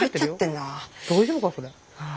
大丈夫かそれ。